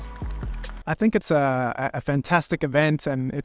saya pikir ini adalah acara yang luar biasa